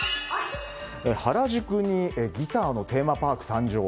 原宿にギターのテーマパーク誕生。